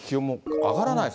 上がらないです。